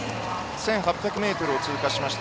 １８００ｍを通過しました。